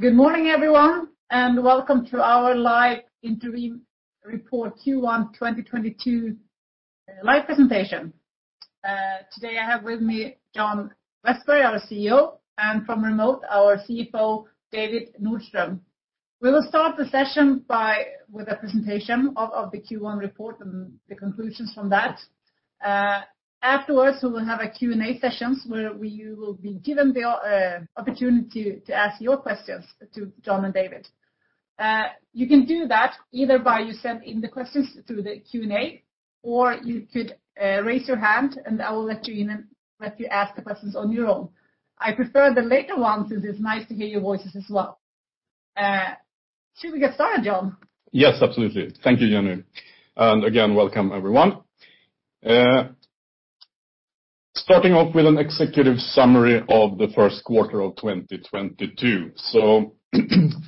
Good morning, everyone, and welcome to our live interim report Q1 2022 live presentation. Today I have with me John Vestberg, our CEO, and from remote, our CFO, David Nordström. We will start the session with a presentation of the Q1 report and the conclusions from that. Afterwards, we will have a Q&A session where we will be given the opportunity to ask your questions to John and David. You can do that either by you send in the questions through the Q&A, or you could raise your hand and I will let you in and let you ask the questions on your own. I prefer the latter one since it's nice to hear your voices as well. Should we get started, John? Yes, absolutely. Thank you, Jenny. Again, welcome, everyone. Starting off with an executive summary of the first quarter of 2022.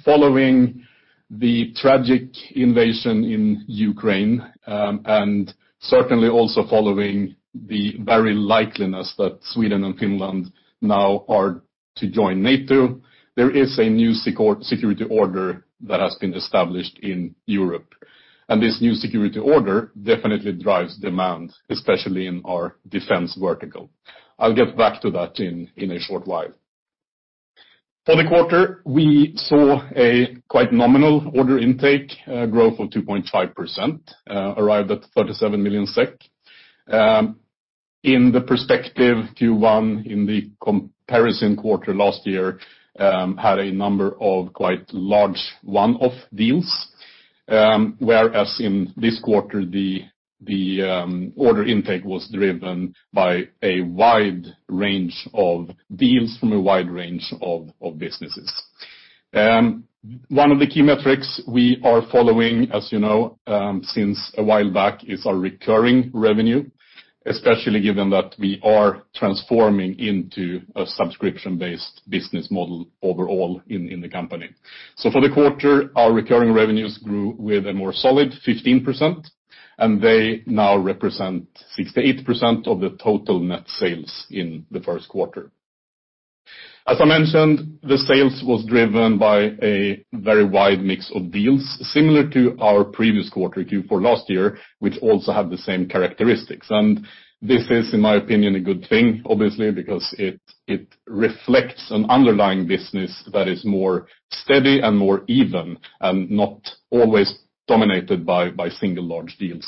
Following the tragic invasion in Ukraine, and certainly also following the very likeliness that Sweden and Finland now are to join NATO, there is a new security order that has been established in Europe. This new security order definitely drives demand, especially in our defense vertical. I'll get back to that in a short while. For the quarter, we saw a quite nominal order intake growth of 2.5%, arrived at 37 million SEK. In perspective, Q1 in the comparison quarter last year had a number of quite large one-off deals, whereas in this quarter, the order intake was driven by a wide range of deals from a wide range of businesses. One of the key metrics we are following, as you know, since a while back, is our recurring revenue, especially given that we are transforming into a subscription-based business model overall in the company. For the quarter, our recurring revenues grew with a more solid 15%, and they now represent 68% of the total net sales in the first quarter. As I mentioned, the sales was driven by a very wide mix of deals, similar to our previous quarter Q4 last year, which also have the same characteristics. This is, in my opinion, a good thing, obviously, because it reflects an underlying business that is more steady and more even and not always dominated by single large deals.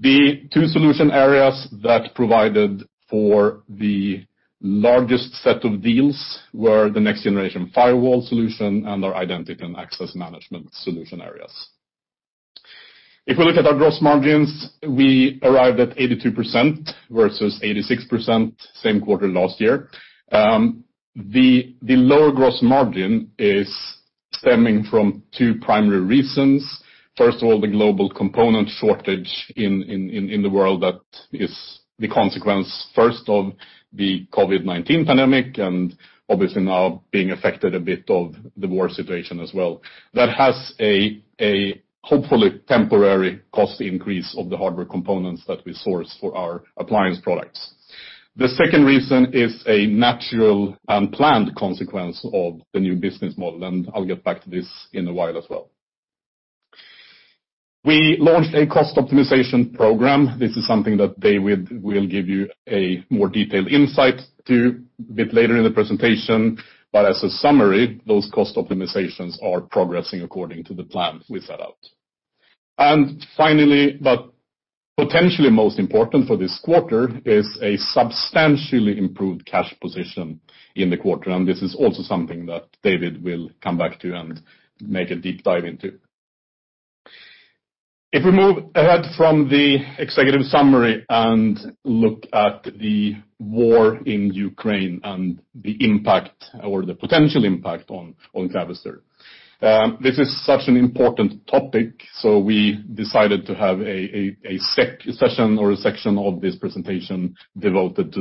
The two solution areas that provided for the largest set of deals were the Next-Generation Firewall solution and our Identity and Access Management solution areas. If we look at our gross margins, we arrived at 82% vs 86% same quarter last year. The lower gross margin is stemming from two primary reasons. First of all, the global component shortage in the world that is the consequence, first of the COVID-19 pandemic and obviously now being affected a bit by the war situation as well. That has a hopefully temporary cost increase of the hardware components that we source for our appliance products. The second reason is a natural and planned consequence of the new business model, and I'll get back to this in a while as well. We launched a cost optimization program. This is something that David will give you a more detailed insight to a bit later in the presentation. As a summary, those cost optimizations are progressing according to the plan we set out. Finally, but potentially most important for this quarter, is a substantially improved cash position in the quarter. This is also something that David will come back to and make a deep dive into. If we move ahead from the executive summary and look at the war in Ukraine and the impact or the potential impact on Clavister. This is such an important topic, so we decided to have a section of this presentation devoted to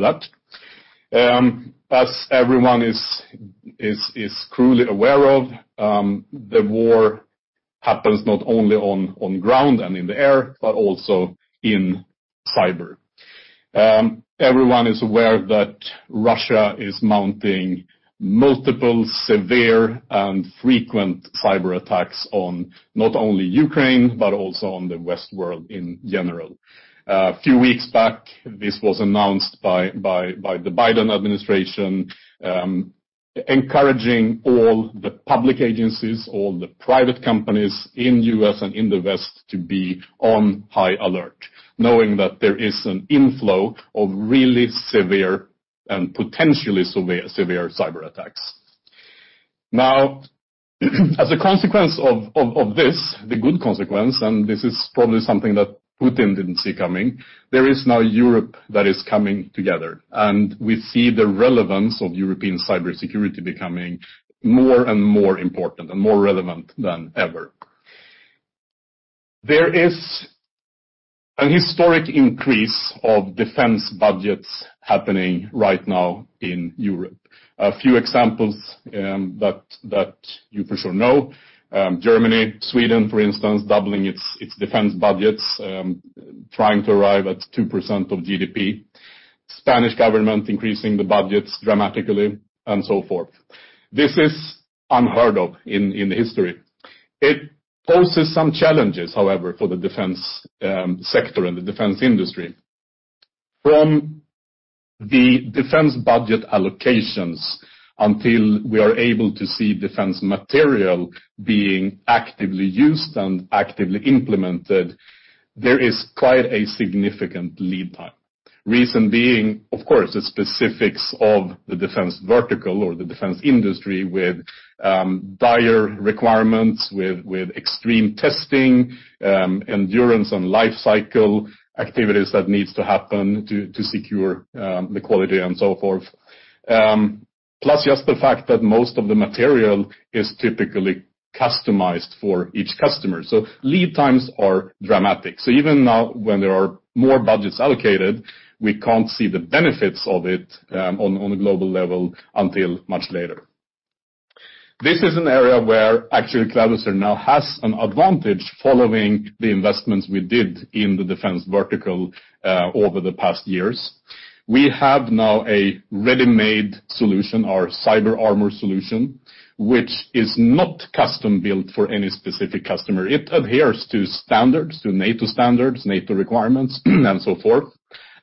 that. As everyone is acutely aware of, the war happens not only on ground and in the air, but also in cyber. Everyone is aware that Russia is mounting multiple severe and frequent cyber attacks on not only Ukraine, but also on the Western world in general. A few weeks back, this was announced by the Biden administration, encouraging all the public agencies, all the private companies in U.S. and in the West to be on high alert, knowing that there is an inflow of really severe and potentially severe cyber attacks. Now, as a consequence of this, the good consequence, and this is probably something that Putin didn't see coming, there is now Europe that is coming together, and we see the relevance of European cybersecurity becoming more and more important and more relevant than ever. There is an historic increase of defense budgets happening right now in Europe. A few examples that you for sure know, Germany, Sweden, for instance, doubling its defense budgets, trying to arrive at 2% of GDP. Spanish government increasing the budgets dramatically and so forth. This is unheard of in the history. It poses some challenges, however, for the defense sector and the defense industry. From the defense budget allocations until we are able to see defense material being actively used and actively implemented, there is quite a significant lead time. Reason being, of course, the specifics of the defense vertical or the defense industry with dire requirements with extreme testing, endurance and life cycle activities that needs to happen to secure the quality and so forth. Plus just the fact that most of the material is typically customized for each customer, so lead times are dramatic. Even now, when there are more budgets allocated, we can't see the benefits of it, on a global level until much later. This is an area where actually Clavister now has an advantage following the investments we did in the defense vertical, over the past years. We have now a ready-made solution, our CyberArmour solution, which is not custom-built for any specific customer. It adheres to standards, to NATO standards, NATO requirements and so forth,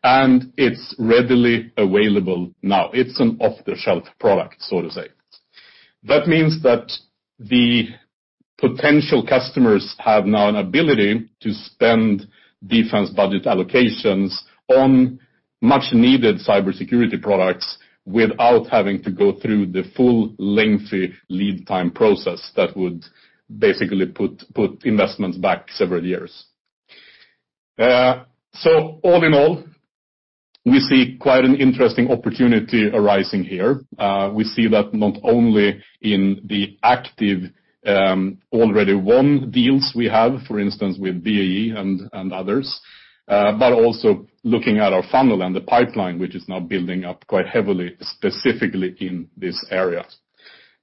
and it's readily available now. It's an off-the-shelf product, so to say. That means that the potential customers have now an ability to spend defense budget allocations on much needed cybersecurity products without having to go through the full lengthy lead time process that would basically put investments back several years. All in all, we see quite an interesting opportunity arising here. We see that not only in the active already won deals we have, for instance, with BAE and others, but also looking at our funnel and the pipeline, which is now building up quite heavily, specifically in this area.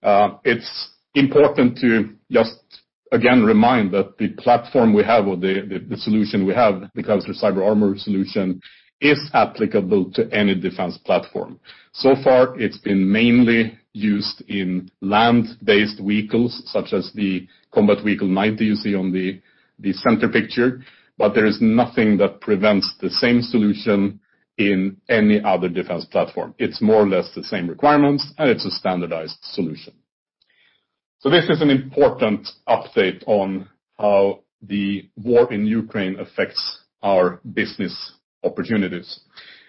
It's important to just again remind that the platform we have or the solution we have, the Clavister CyberArmour solution, is applicable to any defense platform. So far, it's been mainly used in land-based vehicles such as the Combat Vehicle 90 you see on the center picture, but there is nothing that prevents the same solution in any other defense platform. It's more or less the same requirements, and it's a standardized solution. This is an important update on how the war in Ukraine affects our business opportunities.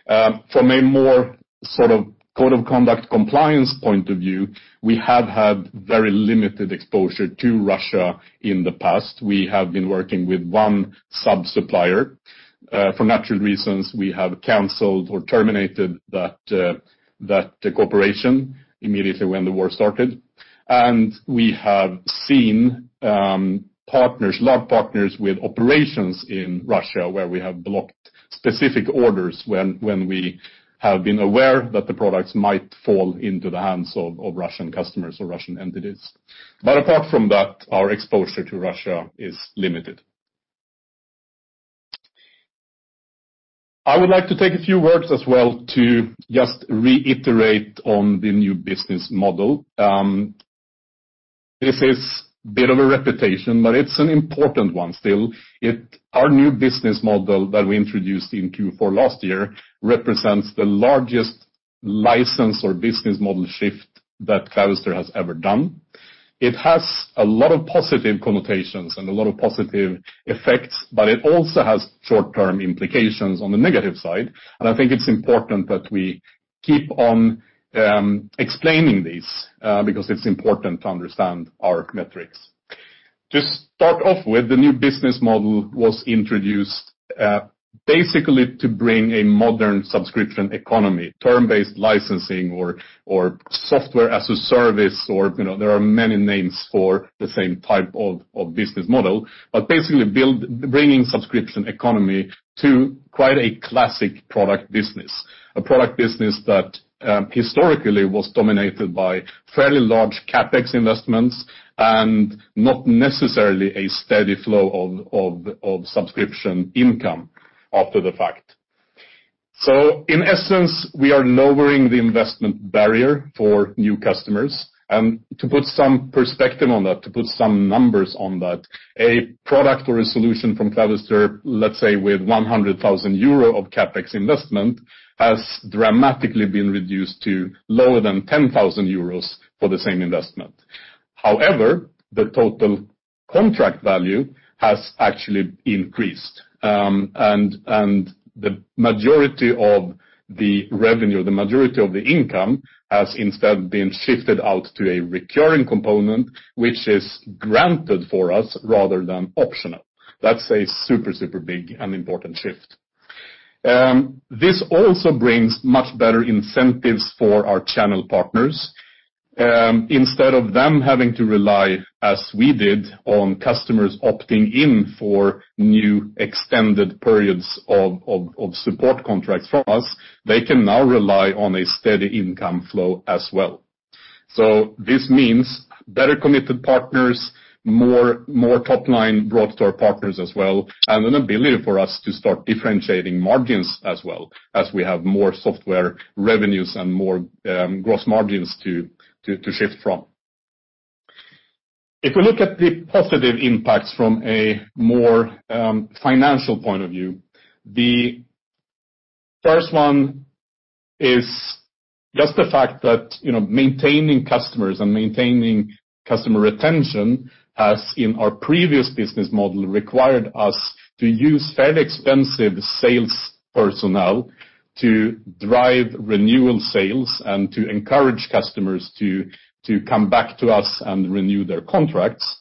From a more sort of code of conduct compliance point of view, we have had very limited exposure to Russia in the past. We have been working with one sub-supplier. For natural reasons, we have canceled or terminated that cooperation immediately when the war started. We have seen a lot of partners with operations in Russia, where we have blocked specific orders when we have been aware that the products might fall into the hands of Russian customers or Russian entities. Apart from that, our exposure to Russia is limited. I would like to take a few words as well to just reiterate on the new business model. This is a bit of a repetition, but it's an important one still. Our new business model that we introduced in Q4 last year represents the largest license or business model shift that Clavister has ever done. It has a lot of positive connotations and a lot of positive effects, but it also has short-term implications on the negative side. I think it's important that we keep on explaining this, because it's important to understand our metrics. To start off with, the new business model was introduced basically to bring a modern subscription economy, term-based licensing or software as a service or, you know, there are many names for the same type of business model. Basically bringing subscription economy to quite a classic product business, a product business that historically was dominated by fairly large CapEx investments and not necessarily a steady flow of subscription income after the fact. In essence, we are lowering the investment barrier for new customers. To put some perspective on that, to put some numbers on that, a product or a solution from Clavister, let's say with 100,000 euro of CapEx investment has dramatically been reduced to lower than 10,000 euros for the same investment. However, the total contract value has actually increased. And the majority of the revenue, the majority of the income has instead been shifted out to a recurring component, which is granted for us rather than optional. That's a super big and important shift. This also brings much better incentives for our channel partners. Instead of them having to rely, as we did, on customers opting in for new extended periods of support contracts from us, they can now rely on a steady income flow as well. This means better committed partners, more top line brought to our partners as well, and an ability for us to start differentiating margins as well as we have more software revenues and more gross margins to shift from. If we look at the positive impacts from a more financial point of view, the first one is just the fact that, you know, maintaining customers and maintaining customer retention has, in our previous business model, required us to use fairly expensive sales personnel to drive renewal sales and to encourage customers to come back to us and renew their contracts.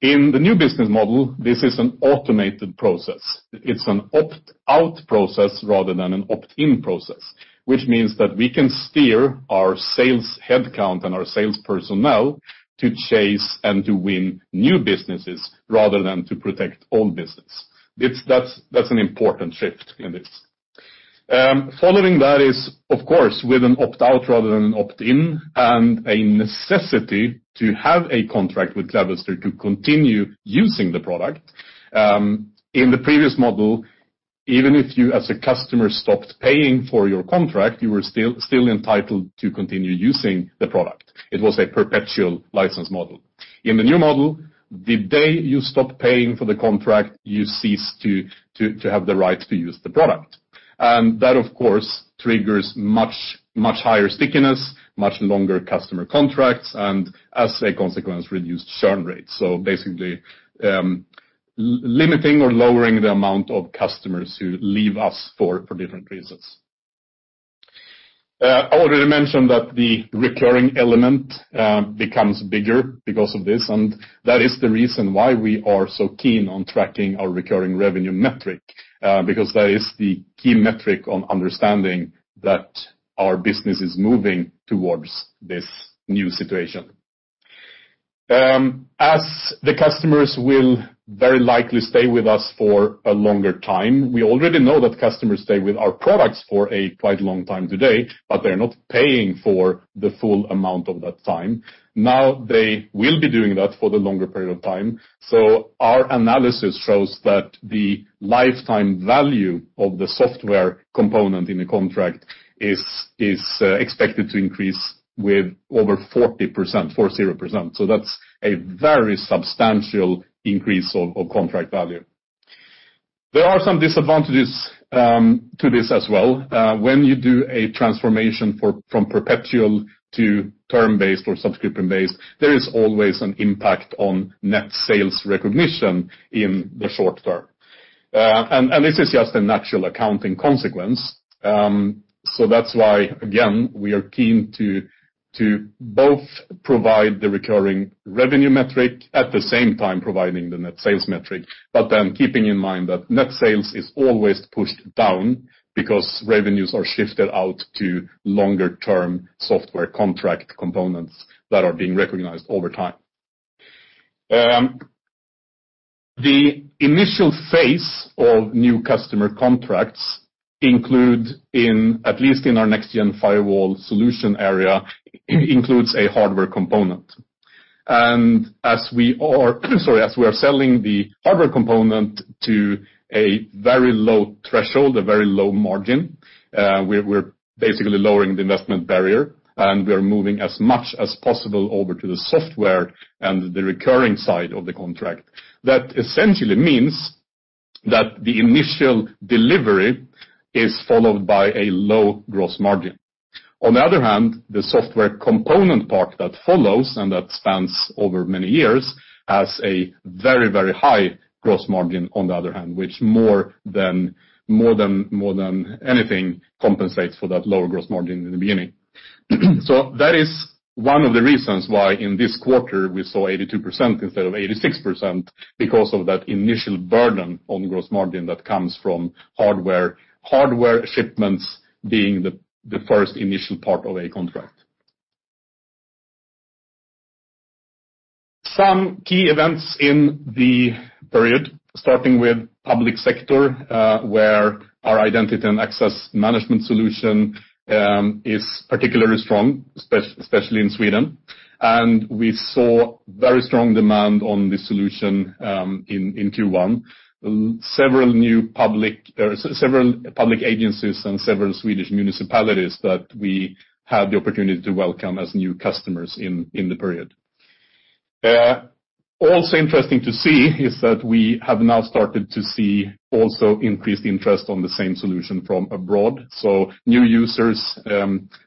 In the new business model, this is an automated process. It's an opt-out process rather than an opt-in process, which means that we can steer our sales headcount and our sales personnel to chase and to win new businesses rather than to protect old business. It's that's an important shift in this. Following that is, of course, with an opt-out rather than an opt-in, and a necessity to have a contract with Clavister to continue using the product. In the previous model, even if you as a customer stopped paying for your contract, you were still entitled to continue using the product. It was a perpetual license model. In the new model, the day you stop paying for the contract, you cease to have the right to use the product. That, of course, triggers much, much higher stickiness, much longer customer contracts, and as a consequence, reduced churn rates. Basically, limiting or lowering the amount of customers who leave us for different reasons. I already mentioned that the recurring element becomes bigger because of this, and that is the reason why we are so keen on tracking our recurring revenue metric, because that is the key metric on understanding that our business is moving towards this new situation. As the customers will very likely stay with us for a longer time, we already know that customers stay with our products for a quite long time today, but they're not paying for the full amount of that time. Now, they will be doing that for the longer period of time. Our analysis shows that the lifetime value of the software component in the contract is expected to increase with over 40%, 40%. That's a very substantial increase of contract value. There are some disadvantages to this as well. When you do a transformation from perpetual to term-based or subscription-based, there is always an impact on net sales recognition in the short-term. This is just a natural accounting consequence. That's why, again, we are keen to both provide the recurring revenue metric, at the same time providing the net sales metric, but then keeping in mind that net sales is always pushed down because revenues are shifted out to longer-term software contract components that are being recognized over time. The initial phase of new customer contracts, at least in our Next-Generation Firewall solution area, includes a hardware component. As we are selling the hardware component to a very low threshold, a very low margin, we're basically lowering the investment barrier, and we are moving as much as possible over to the software and the recurring side of the contract. That essentially means that the initial delivery is followed by a low gross margin. On the other hand, the software component part that follows and that spans over many years has a very high gross margin on the other hand, which more than anything compensates for that lower gross margin in the beginning. That is one of the reasons why in this quarter we saw 82% instead of 86% because of that initial burden on gross margin that comes from hardware shipments being the first initial part of a contract. Some key events in the period, starting with public sector, where our identity and access management solution is particularly strong, especially in Sweden. We saw very strong demand on the solution in Q1. Several public agencies and several Swedish municipalities that we had the opportunity to welcome as new customers in the period. Also interesting to see is that we have now started to see also increased interest on the same solution from abroad. New users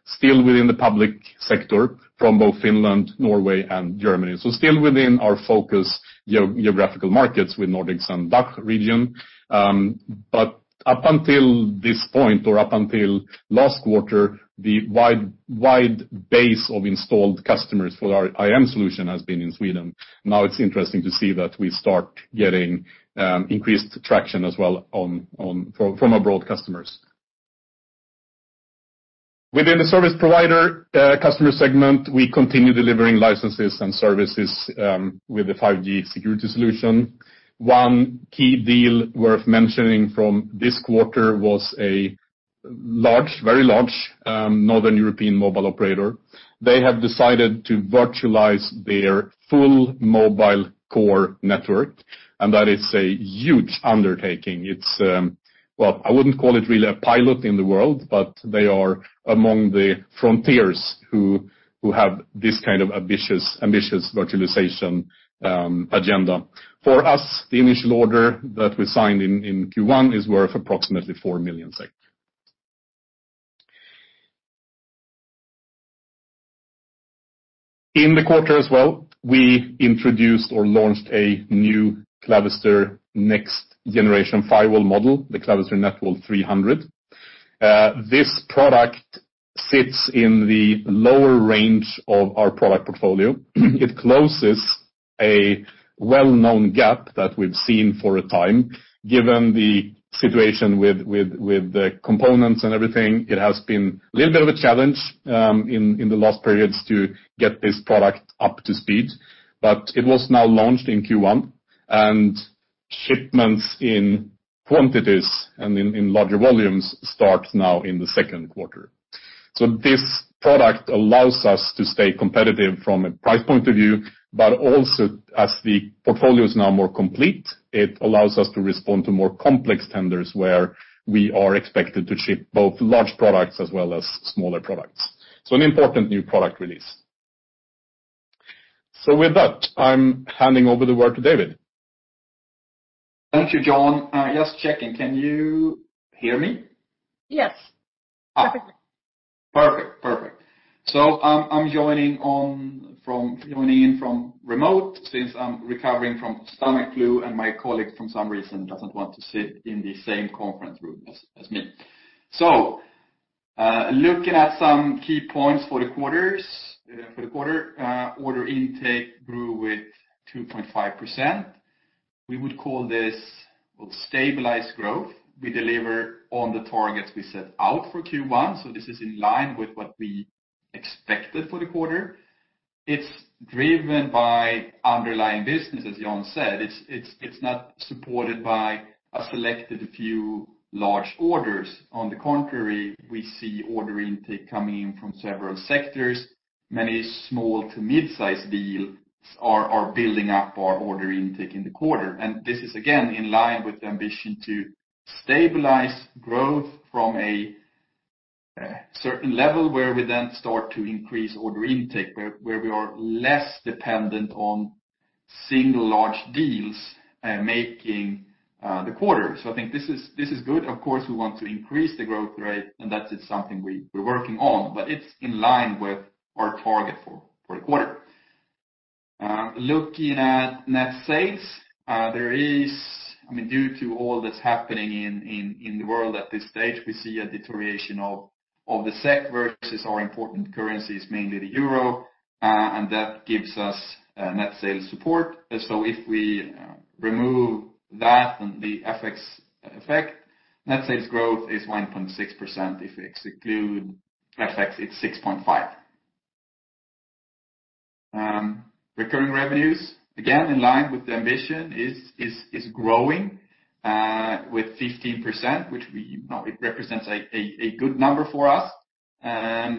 still within the public sector from both Finland, Norway and Germany. Still within our focus geographical markets with Nordics and DACH region. But up until this point or up until last quarter, the wide base of installed customers for our IAM solution has been in Sweden. Now it's interesting to see that we start getting increased traction as well from abroad customers. Within the service provider customer segment, we continue delivering licenses and services with the 5G security solution. One key deal worth mentioning from this quarter was a large, very large Northern European mobile operator. They have decided to virtualize their full mobile core network, and that is a huge undertaking. It's well, I wouldn't call it really a pilot in the world, but they are among the frontiers who have this kind of ambitious virtualization agenda. For us, the initial order that we signed in Q1 is worth approximately 4 million. In the quarter as well, we introduced or launched a new Clavister Next-Generation Firewall model, the Clavister NetShield 300. This product sits in the lower range of our product portfolio. It closes a well-known gap that we've seen for a time. Given the situation with the components and everything, it has been a little bit of a challenge in the last periods to get this product up to speed. It was now launched in Q1, and shipments in quantities and in larger volumes start now in the second quarter. This product allows us to stay competitive from a price point of view, but also as the portfolio is now more complete, it allows us to respond to more complex tenders where we are expected to ship both large products as well as smaller products. An important new product release. With that, I'm handing over the word to David. Thank you, John. Just checking. Can you hear me? Yes. Perfectly. Perfect. I'm joining in from remote since I'm recovering from stomach flu, and my colleague, for some reason, doesn't want to sit in the same conference room as me. Looking at some key points for the quarter. Order intake grew with 2.5%. We would call this stabilized growth. We deliver on the targets we set out for Q1, this is in line with what we expected for the quarter. It's driven by underlying business, as John said. It's not supported by a selected few large orders. On the contrary, we see order intake coming in from several sectors. Many small to mid-size deals are building up our order intake in the quarter. This is again in line with the ambition to stabilize growth from a certain level where we then start to increase order intake, where we are less dependent on single large deals, making the quarter. I think this is good. Of course, we want to increase the growth rate, and that is something we're working on, but it's in line with our target for the quarter. Looking at net sales, I mean, due to all that's happening in the world at this stage, we see a deterioration of the SEK versus our important currencies, mainly the euro, and that gives us net sales support. If we remove that and the FX effect, net sales growth is 1.6%. If we exclude FX, it's 6.5%. Recurring revenues, again, in line with the ambition, is growing with 15%, which we know it represents a good number for us. This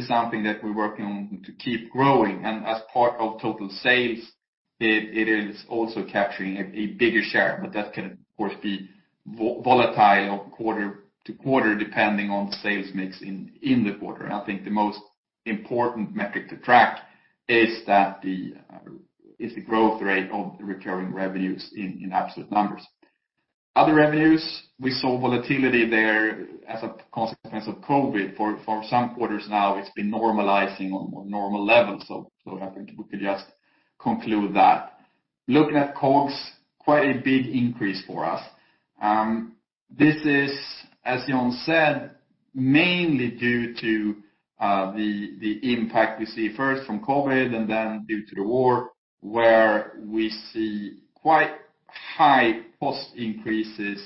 is something that we're working on to keep growing. As part of total sales, it is also capturing a bigger share, but that can of course be volatile quarter to quarter, depending on sales mix in the quarter. I think the most important metric to track is that is the growth rate of recurring revenues in absolute numbers. Other revenues, we saw volatility there as a consequence of COVID. For some quarters now, it's been normalizing on more normal levels. I think we could just conclude that. Looking at COGS, quite a big increase for us. This is, as John said, mainly due to the impact we see first from COVID and then due to the war, where we see quite high cost increases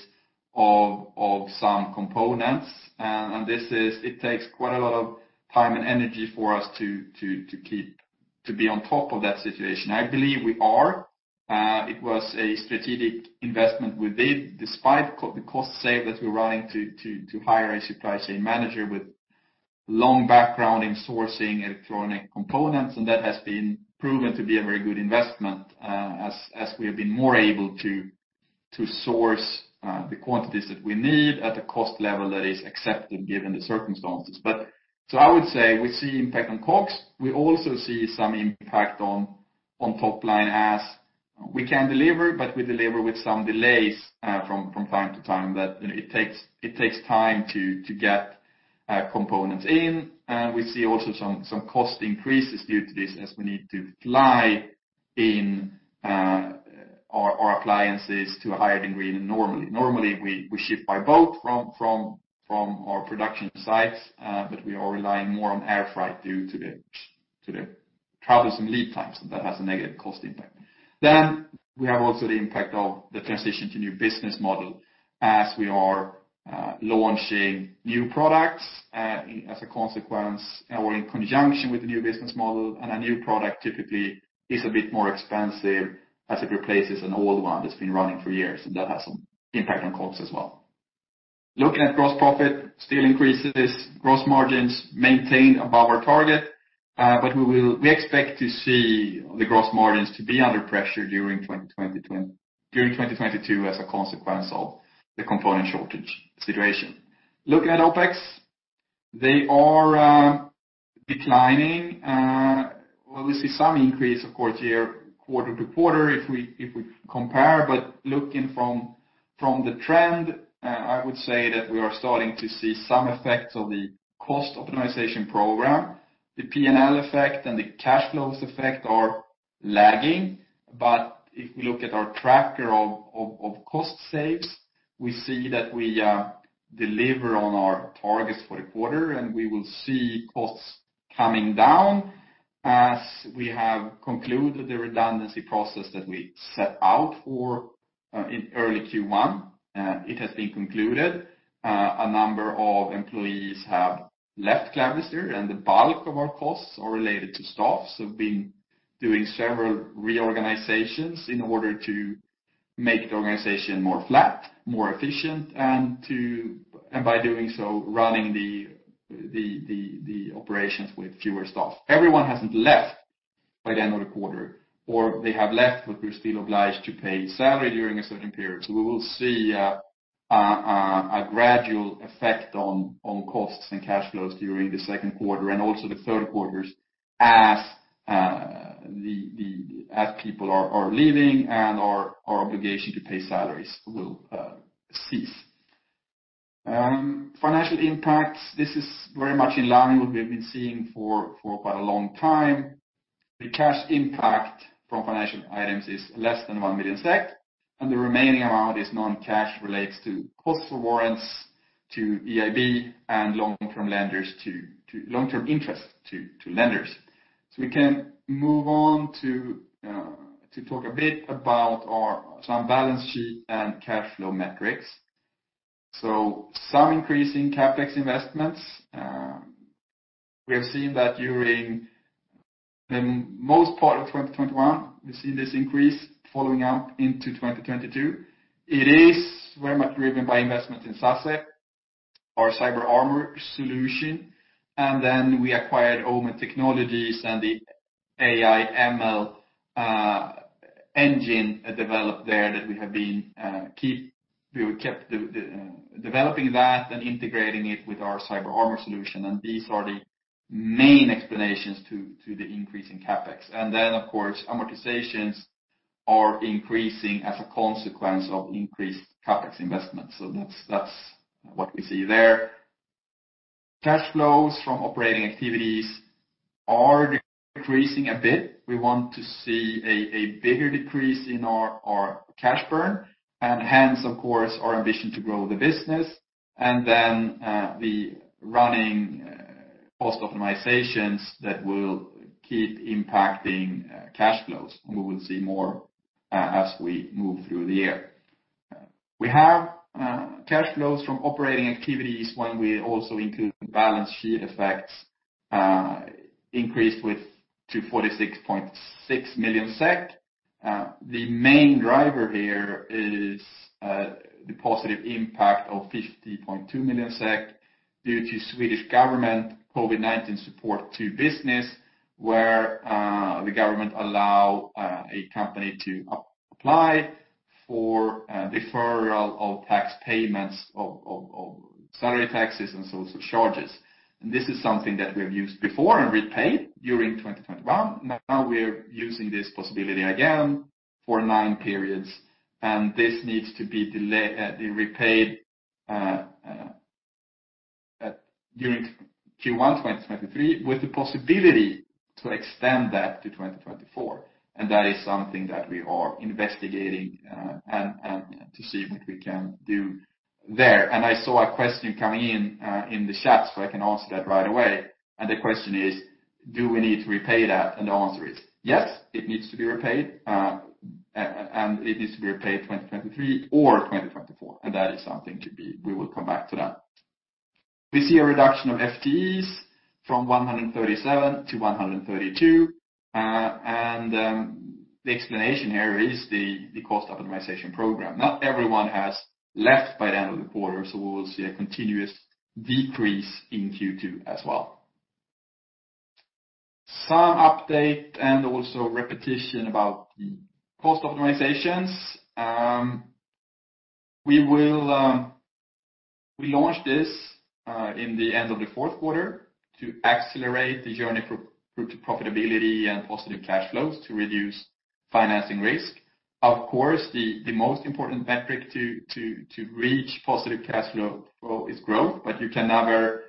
of some components. It takes quite a lot of time and energy for us to be on top of that situation. I believe we are. It was a strategic investment we did, despite the cost savings that we're running to hire a supply chain manager with long background in sourcing electronic components. That has been proven to be a very good investment, as we have been more able to source the quantities that we need at a cost level that is accepted given the circumstances. I would say we see impact on COGS. We also see some impact on top line as we can deliver, but we deliver with some delays from time to time that it takes time to get components in. We see also some cost increases due to this as we need to fly in our appliances to a higher degree than normally. Normally, we ship by boat from our production sites, but we are relying more on air freight due to the travel some lead times that has a negative cost impact. We have also the impact of the transition to new business model as we are launching new products as a consequence or in conjunction with the new business model, and a new product typically is a bit more expensive as it replaces an old one that's been running for years, and that has some impact on costs as well. Looking at gross profit, still increases gross margins maintained above our target, but we expect to see the gross margins to be under pressure during 2022 as a consequence of the component shortage situation. Looking at OpEx, they are declining, well, we see some increase of course here quarter to quarter if we compare. Looking from the trend, I would say that we are starting to see some effects of the cost optimization program. The P&L effect and the cash flows effect are lagging. If we look at our tracker of cost saves, we see that we deliver on our targets for the quarter, and we will see costs coming down as we have concluded the redundancy process that we set out for in early Q1. It has been concluded. A number of employees have left Clavister, and the bulk of our costs are related to staff. We've been doing several reorganizations in order to make the organization more flat, more efficient, and by doing so, running the operations with fewer staff. Everyone hasn't left by the end of the quarter, or they have left, but we're still obliged to pay salary during a certain period. We will see a gradual effect on costs and cash flows during the second quarter and also the third quarter as people are leaving and our obligation to pay salaries will cease. Financial impacts. This is very much in line with what we've been seeing for quite a long time. The cash impact from financial items is less than 1 million SEK, and the remaining amount is non-cash, relates to costs for warrants to EIB and long-term lenders to long-term interest to lenders. We can move on to talk a bit about our some balance sheet and cash flow metrics. Some increase in CapEx investments. We have seen that during the most part of 2021. We've seen this increase following up into 2022. It is very much driven by investment in SASE, our CyberArmour solution. We acquired Omen Technologies and the AI ML engine developed there that we kept developing and integrating it with our CyberArmour solution. These are the main explanations to the increase in CapEx. Of course, amortizations are increasing as a consequence of increased CapEx investments. That's what we see there. Cash flows from operating activities are decreasing a bit. We want to see a bigger decrease in our cash burn, and hence of course our ambition to grow the business. The running cost optimizations that will keep impacting cash flows. We will see more as we move through the year. We have cash flows from operating activities when we also include balance sheet effects, increased to 46.6 million SEK. The main driver here is the positive impact of 50.2 million SEK due to Swedish government COVID-19 support to business, where the government allow a company to apply for a deferral of tax payments of salary taxes and social charges. This is something that we have used before and repaid during 2021. Now we're using this possibility again for nine periods, and this needs to be repaid during Q1 2023 with the possibility to extend that to 2024. That is something that we are investigating, and to see what we can do there. I saw a question coming in the chat, so I can answer that right away. The question is, do we need to repay that? The answer is yes, it needs to be repaid, and it needs to be repaid 2023 or 2024. That is something to be. We will come back to that. We see a reduction of FTEs from 137 to 132. The explanation here is the cost optimization program. Not everyone has left by the end of the quarter, so we will see a continuous decrease in Q2 as well. Some update and also repetition about the cost optimizations. We will. We launched this in the end of the fourth quarter to accelerate the journey for group profitability and positive cash flows to reduce financing risk. Of course, the most important metric to reach positive cash flow is growth, but you can never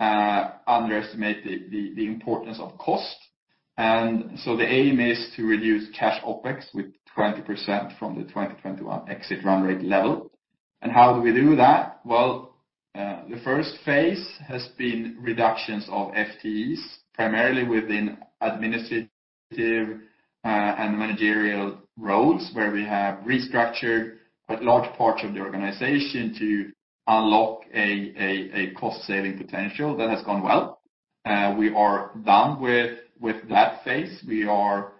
underestimate the importance of cost. The aim is to reduce cash OpEx with 20% from the 2021 exit run rate level. How do we do that? The first phase has been reductions of FTEs, primarily within administrative and managerial roles, where we have restructured quite large parts of the organization to unlock a cost-saving potential. That has gone well. We are done with that phase. We are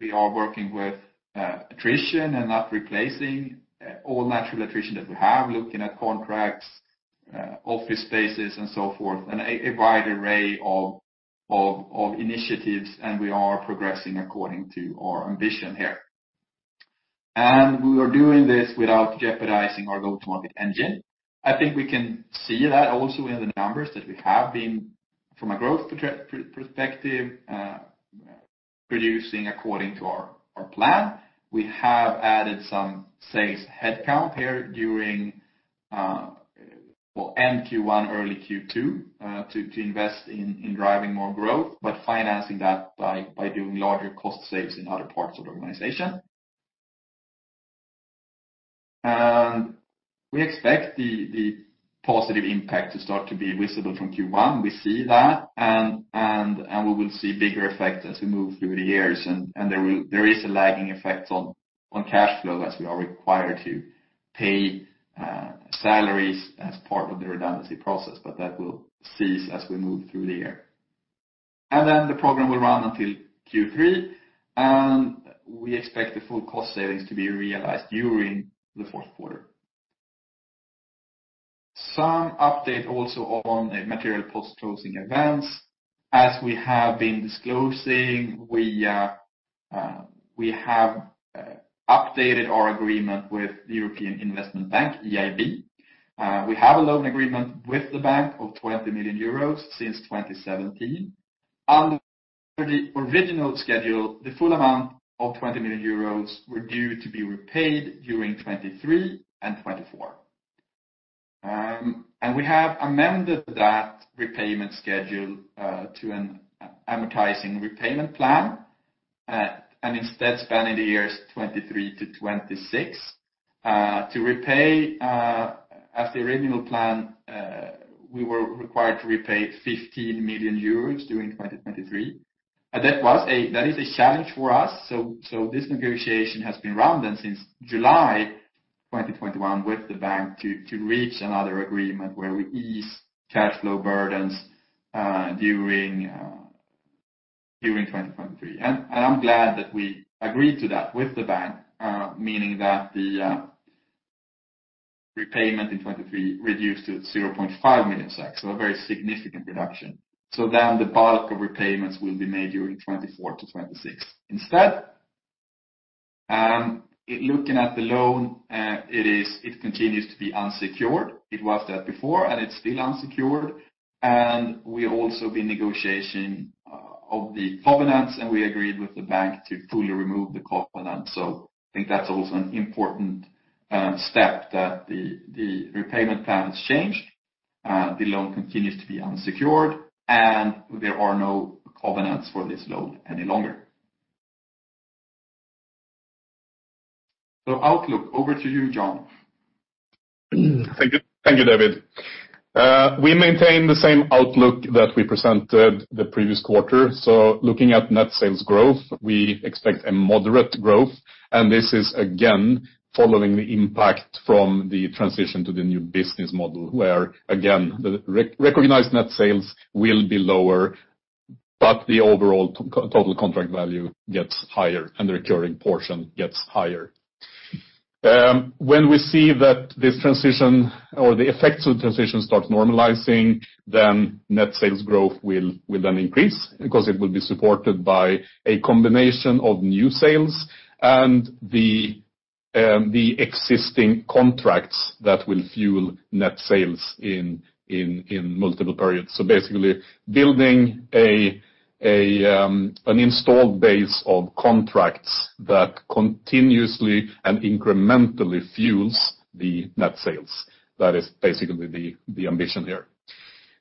working with attrition and not replacing all natural attrition that we have. Looking at contracts, office spaces and so forth, and a wide array of initiatives, and we are progressing according to our ambition here. We are doing this without jeopardizing our go-to-market engine. I think we can see that also in the numbers that we have been, from a growth perspective, producing according to our plan. We have added some sales headcount here during end Q1, early Q2, to invest in driving more growth, but financing that by doing larger cost savings in other parts of the organization. We expect the positive impact to start to be visible from Q1. We see that and we will see bigger effect as we move through the years and there is a lagging effect on cash flow as we are required to pay salaries as part of the redundancy process, but that will cease as we move through the year. The program will run until Q3, and we expect the full cost savings to be realized during the fourth quarter. Some update also on material post-closing events. As we have been disclosing, we have updated our agreement with the European Investment Bank, EIB. We have a loan agreement with the bank of 20 million euros since 2017. Under the original schedule, the full amount of 20 million euros were due to be repaid during 2023 and 2024. We have amended that repayment schedule to an amortizing repayment plan and instead spanning the years 2023 to 2026. To repay, as the original plan, we were required to repay 15 million euros during 2023. That is a challenge for us. This negotiation has been running since July 2021 with the bank to reach another agreement where we ease cash flow burdens during 2023. I'm glad that we agreed to that with the bank, meaning that the repayment in 2023 reduced to 0.5 million, a very significant reduction. The bulk of repayments will be made during 2024-2026 instead. Looking at the loan, it continues to be unsecured. It was that before, and it's still unsecured. We've also been negotiating of the covenants, and we agreed with the bank to fully remove the covenant. I think that's also an important step that the repayment plan has changed. The loan continues to be unsecured, and there are no covenants for this loan any longer. Outlook, over to you, John. Thank you. Thank you, David. We maintain the same outlook that we presented the previous quarter. Looking at net sales growth, we expect a moderate growth. This is again following the impact from the transition to the new business model, where again, the recognized net sales will be lower, but the overall total contract value gets higher and the recurring portion gets higher. When we see that this transition or the effects of transition start normalizing, then net sales growth will then increase because it will be supported by a combination of new sales and the existing contracts that will fuel net sales in multiple periods. Basically building an installed base of contracts that continuously and incrementally fuels the net sales. That is basically the ambition here.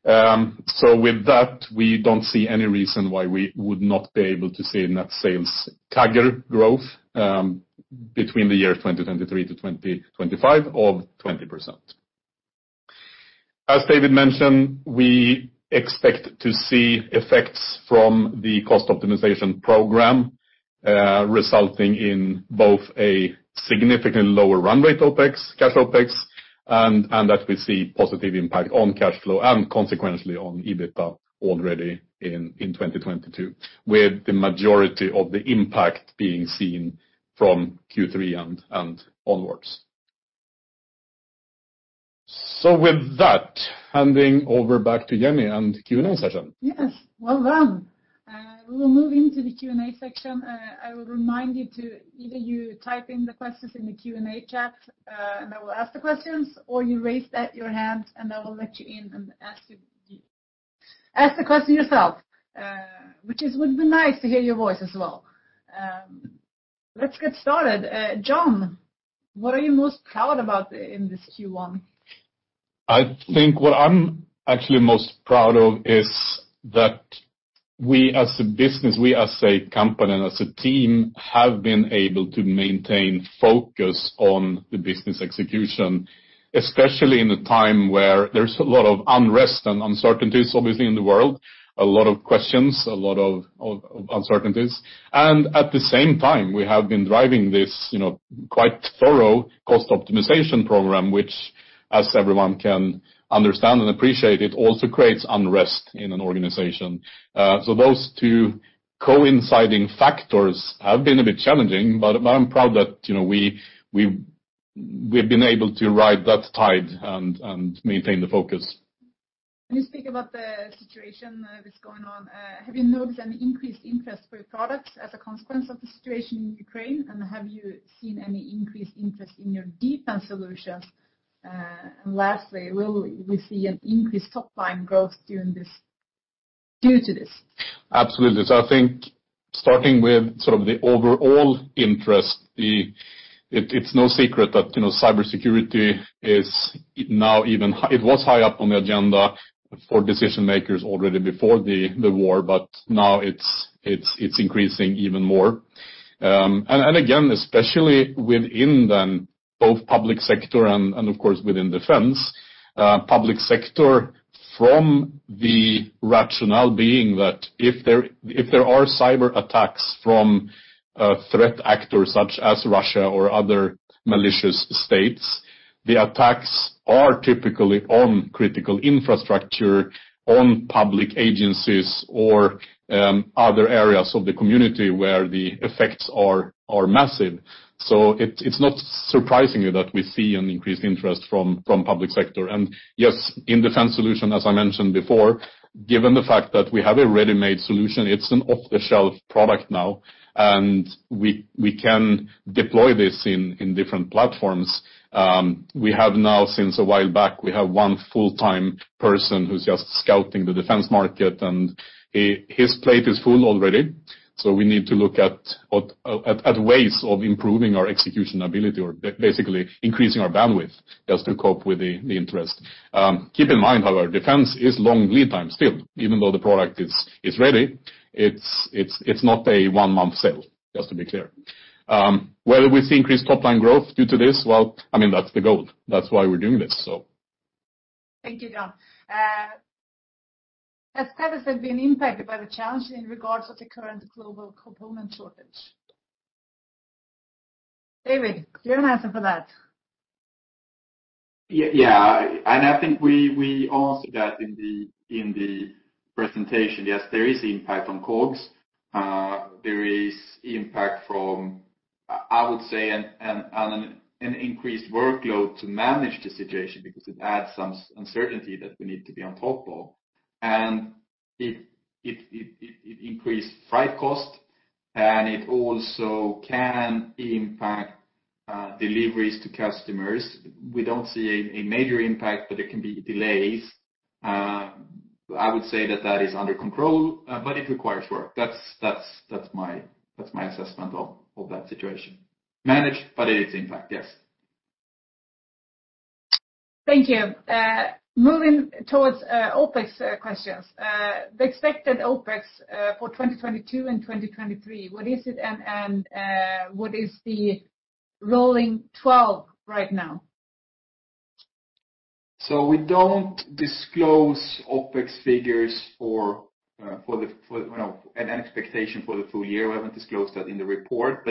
With that, we don't see any reason why we would not be able to see net sales CAGR growth between 2023 to 2025 of 20%. As David mentioned, we expect to see effects from the cost optimization program resulting in both a significantly lower run rate OpEx, cash OpEx, and that we see positive impact on cash flow and consequently on EBITDA already in 2022, with the majority of the impact being seen from Q3 and onwards. With that, handing over back to Jenny and Q&A session. Yes. Well done. We will move into the Q&A section. I will remind you to either you type in the questions in the Q&A chat, and I will ask the questions, or you raise your hand, and I will let you in and ask the question yourself. Would be nice to hear your voice as well. Let's get started. John, what are you most proud about in this Q1? I think what I'm actually most proud of is that we as a business, we as a company and as a team, have been able to maintain focus on the business execution, especially in a time where there's a lot of unrest and uncertainties, obviously, in the world, a lot of questions, a lot of uncertainties. At the same time, we have been driving this, you know, quite thorough cost optimization program, which, as everyone can understand and appreciate, it also creates unrest in an organization. Those two coinciding factors have been a bit challenging, but I'm proud that, you know, we've been able to ride that tide and maintain the focus. Can you speak about the situation that is going on? Have you noticed any increased interest for your products as a consequence of the situation in Ukraine? Have you seen any increased interest in your defense solutions? Lastly, will we see an increased top line growth due to this? Absolutely. I think starting with sort of the overall interest. It's no secret that, you know, it was high up on the agenda for decision-makers already before the war, but now it's increasing even more. Again, especially within the both public sector and, of course, within defense. Public sector from the rationale being that if there are cyberattacks from threat actors such as Russia or other malicious states, the attacks are typically on critical infrastructure, on public agencies or other areas of the community where the effects are massive. It's not surprising that we see an increased interest from public sector. Yes, in defense solution, as I mentioned before, given the fact that we have a ready-made solution, it's an off-the-shelf product now, and we can deploy this in different platforms. We have, since a while back, one full-time person who's just scouting the defense market, and his plate is full already. We need to look at ways of improving our execution ability or basically increasing our bandwidth just to cope with the interest. Keep in mind, however, defense is long lead time still. Even though the product is ready, it's not a one-month sale, just to be clear. Will we see increased top-line growth due to this? Well, I mean, that's the goal. That's why we're doing this. Thank you, John. Has TVS been impacted by the challenge in regards to the current global component shortage? David, do you have an answer for that? Yeah. I think we answered that in the presentation. Yes, there is impact on COGS. There is impact from, I would say an increased workload to manage the situation because it adds some uncertainty that we need to be on top of. It increased freight cost, and it also can impact deliveries to customers. We don't see a major impact, but there can be delays. I would say that is under control, but it requires work. That's my assessment of that situation. Managed, but it is impact, yes. Thank you. Moving towards OpEx questions. The expected OpEx for 2022 and 2023, what is it and what is the rolling twelve right now? We don't disclose OpEx figures for, you know, an expectation for the full-year. We haven't disclosed that in the report.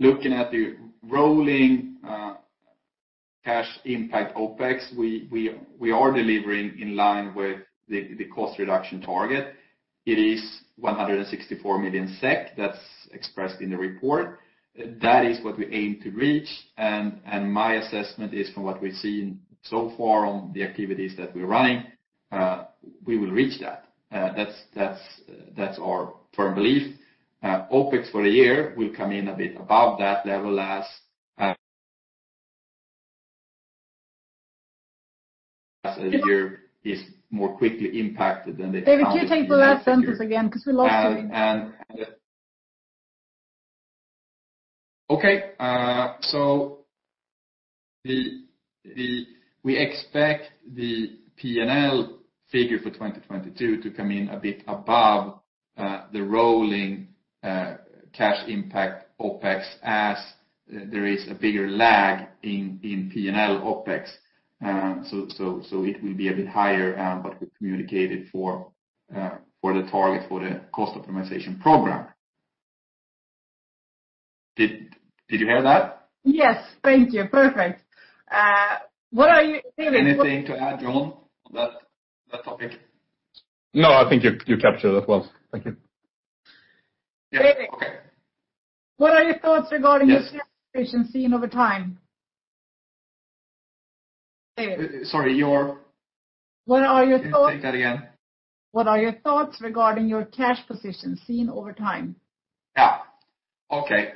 Looking at the rolling cash impact OpEx, we are delivering in line with the cost reduction target. It is 164 million SEK, that's expressed in the report. That is what we aim to reach. My assessment is from what we've seen so far on the activities that we're running, we will reach that. That's our firm belief. OpEx for the year will come in a bit above that level as the year is more quickly impacted than the. David, can you take the last sentence again? Because we lost you. We expect the P&L figure for 2022 to come in a bit above the rolling cash impact OpEx as there is a bigger lag in P&L OpEx. It will be a bit higher, but we communicated for the target for the cost optimization program. Did you hear that? Yes. Thank you. Perfect. What are you, David? Anything to add, John, on that topic? No, I think you captured it well. Thank you. David- Yeah. Okay. What are your thoughts regarding? Yes. Your cash position seen over time? David. Sorry, your? What are your thoughts? Can you take that again? What are your thoughts regarding your cash position seen over time? Yeah. Okay.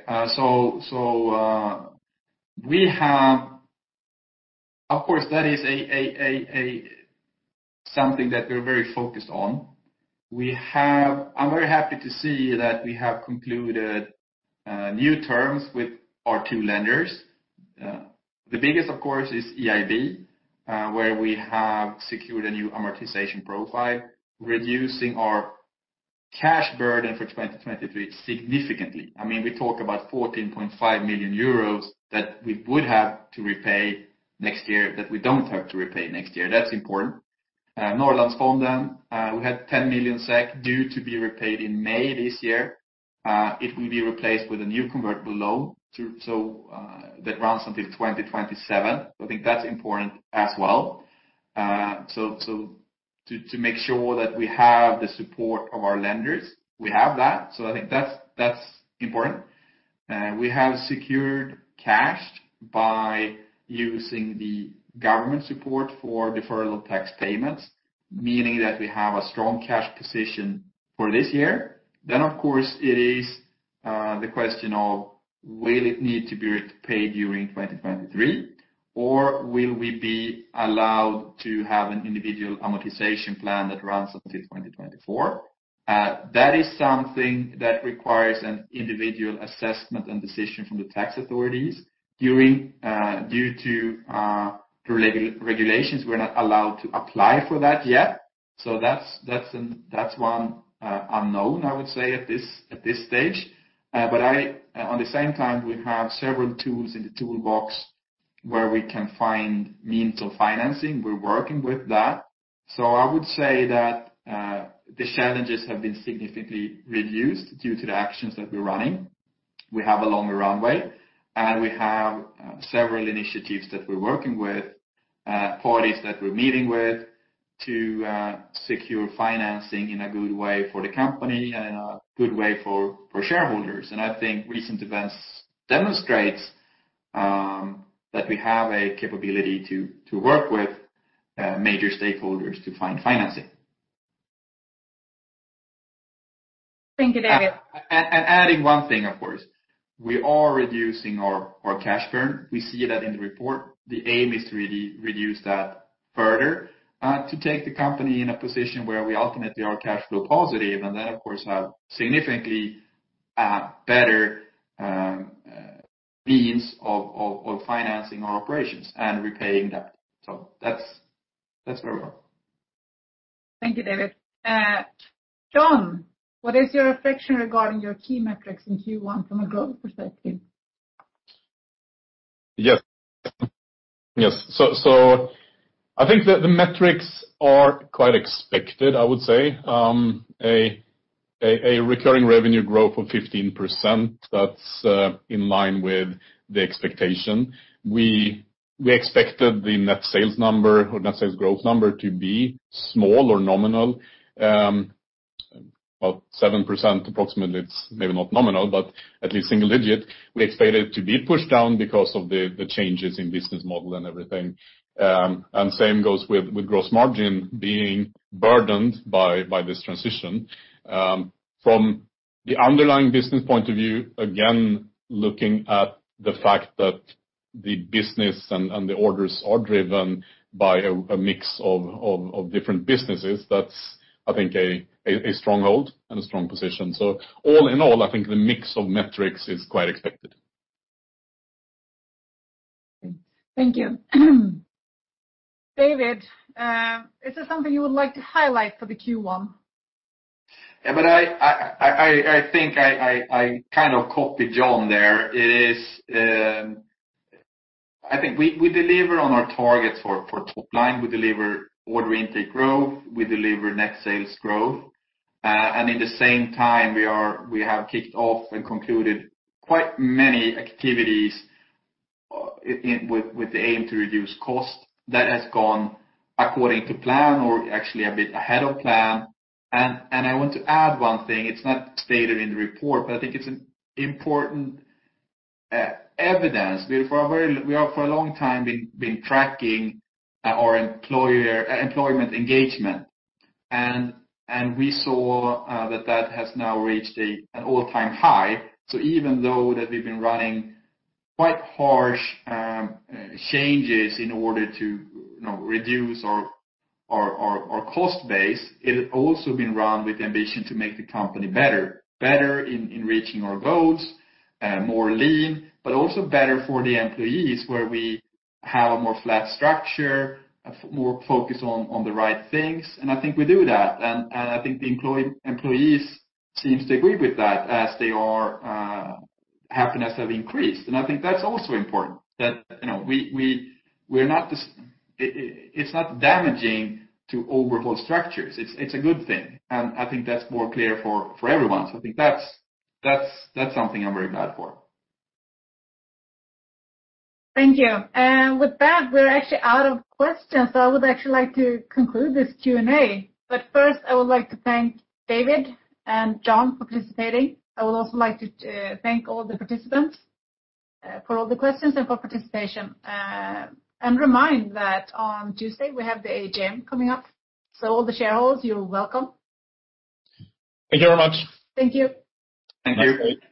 Of course, that is a something that we're very focused on. I'm very happy to see that we have concluded new terms with our two lenders. The biggest, of course, is EIB, where we have secured a new amortization profile, reducing our cash burden for 2023 significantly. I mean, we talk about 14.5 million euros that we would have to repay next year, that we don't have to repay next year. That's important. Norrlandsfonden, we had 10 million SEK due to be repaid in May this year. It will be replaced with a new convertible loan to so that runs until 2027. I think that's important as well. To make sure that we have the support of our lenders, we have that. I think that's important. We have secured cash by using the government support for deferral of tax payments, meaning that we have a strong cash position for this year. Of course, it is the question of will it need to be repaid during 2023, or will we be allowed to have an individual amortization plan that runs until 2024? That is something that requires an individual assessment and decision from the tax authorities. Due to regulations, we're not allowed to apply for that yet. That's one unknown, I would say, at this stage. But at the same time, we have several tools in the toolbox where we can find means of financing. We're working with that. I would say that the challenges have been significantly reduced due to the actions that we're running. We have a longer runway, and we have several initiatives that we're working with parties that we're meeting with to secure financing in a good way for the company and a good way for shareholders. I think recent events demonstrates that we have a capability to work with major stakeholders to find financing. Thank you, David. Adding one thing, of course. We are reducing our cash burn. We see that in the report. The aim is to really reduce that further, to take the company in a position where we ultimately are cash flow positive, and then, of course, have significantly better means of financing our operations and repaying debt. That's where we are. Thank you, David. John, what is your reflection regarding your key metrics in Q1 from a global perspective? Yes. I think that the metrics are quite expected, I would say. A recurring revenue growth of 15%, that's in line with the expectation. We expected the net sales number or net sales growth number to be small or nominal, about 7% approximately. It's maybe not nominal, but at least single digit. We expected it to be pushed down because of the changes in business model and everything. Same goes with gross margin being burdened by this transition. From the underlying business point of view, again, looking at the fact that the business and the orders are driven by a mix of different businesses, that's, I think, a stronghold and a strong position. All in all, I think the mix of metrics is quite expected. Thank you. David, is there something you would like to highlight for the Q1? Yeah, I think I kind of copied John there. I think we deliver on our targets for top line. We deliver order intake growth, we deliver net sales growth. At the same time, we have kicked off and concluded quite many activities with the aim to reduce cost. That has gone according to plan, or actually a bit ahead of plan. I want to add one thing. It's not stated in the report, but I think it's an important evidence. We have, for a long time, been tracking our employee engagement. We saw that has now reached an all-time high. Even though that we've been running quite harsh changes in order to, you know, reduce our cost base, it has also been run with the ambition to make the company better. Better in reaching our goals, more lean, but also better for the employees, where we have a more flat structure, more focus on the right things. I think we do that. I think the employees seem to agree with that as their happiness has increased. I think that's also important that, you know, we're not just. It's not damaging to overhaul structures. It's a good thing. I think that's more clear for everyone. I think that's something I'm very glad for. Thank you. With that, we're actually out of questions. I would actually like to conclude this Q&A. First, I would like to thank David and John for participating. I would also like to thank all the participants for all the questions and for participation. Remind that on Tuesday we have the AGM coming up. All the shareholders, you're welcome. Thank you very much. Thank you. Thank you. Have a nice day.